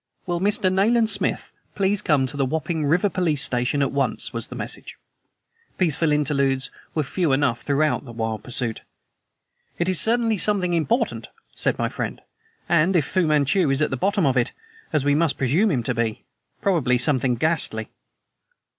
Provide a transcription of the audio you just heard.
"Will Mr. Nayland Smith please come to the Wapping River Police Station at once," was the message. Peaceful interludes were few enough throughout that wild pursuit. "It is certainly something important," said my friend; "and, if Fu Manchu is at the bottom of it as we must presume him to be probably something ghastly."